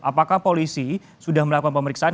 apakah polisi sudah melakukan pemeriksaan